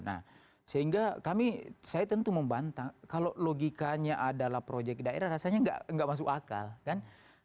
nah sehingga kami saya tentu membanta kalau logikanya adalah proyek daerah rasanya nggak masuk akal kan